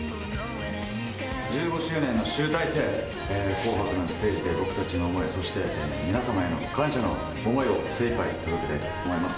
１５周年の集大成、紅白のステージで、僕たちの思い、そして皆様への感謝の思いを精いっぱい届けたいと思います。